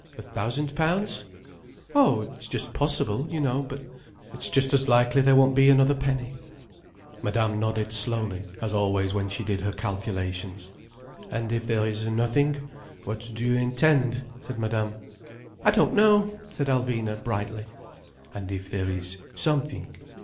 A thousand pounds?" "Oh, it's just possible, you know. But it's just as likely there won't be another penny—" Madame nodded slowly, as always when she did her calculations. "And if there is nothing, what do you intend?" said Madame. "I don't know," said Alvina brightly. "And if there is something?"